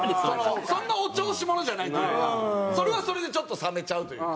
そんなお調子者じゃないというかそれはそれでちょっと冷めちゃうというか。